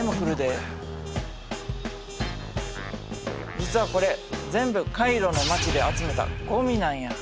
実はこれ全部カイロの町で集めたゴミなんや。